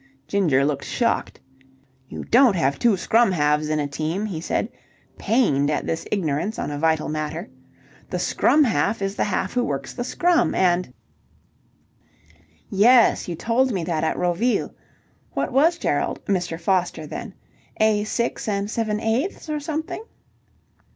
Ginger looked shocked. "You don't have two scrum halves in a team," he said, pained at this ignorance on a vital matter. "The scrum half is the half who works the scrum and..." "Yes, you told me that at Roville. What was Gerald Mr. Foster then? A six and seven eighths, or something?"